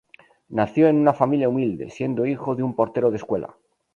Nació en una familia humilde siendo hijo de un portero de escuela.